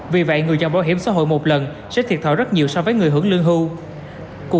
vì vậy người nhận bảo hiểm xã hội một lần sẽ thiệt thò rất nhiều so với người hưởng lương hưu